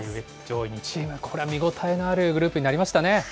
上位２チーム、これは見応えのあるグループになりましたね。